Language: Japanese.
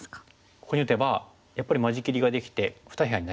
ここに打てばやっぱり間仕切りができて２部屋になりましたよね。